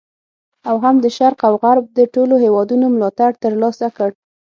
او هم د شرق او غرب د ټولو هیوادونو ملاتړ تر لاسه کړ.